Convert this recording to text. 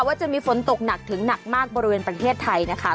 ว่าจะมีฝนตกหนักถึงหนักมากบริเวณประเทศไทยนะคะ